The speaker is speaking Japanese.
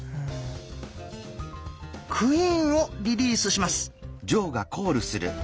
「クイーン」をリリースします。